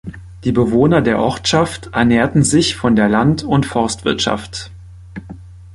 Die Bewohner der Ortschaft ernährten sich von der Land- und Forstwirtschaft.